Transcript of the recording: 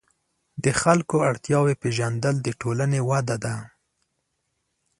د خلکو اړتیاوې پېژندل د ټولنې وده ده.